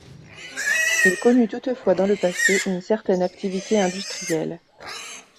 Il connut toutefois dans le passé une certaine activité industrielle.